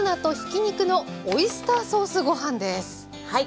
はい。